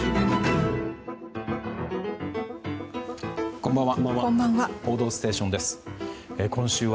こんばんは。